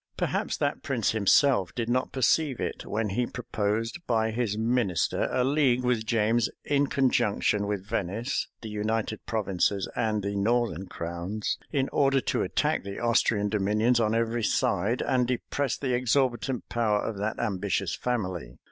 Perhaps that prince himself did not perceive it, when he proposed, by his minister, a league with James, in conjunction with Venice, the United Provinces, and the northern crowns, in order to attack the Austrian dominions on every side, and depress the exorbitant power of that ambitious family.